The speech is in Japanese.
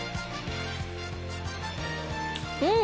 うん！